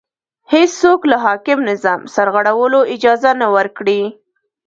هېڅوک له حاکم نظام سرغړولو اجازه نه ورکړي